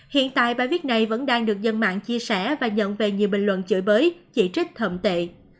hiện tại bài viết này vẫn đang được dân mạng chia sẻ và nhận về nhiều bình luận chửi bới chỉ trích thậm tệ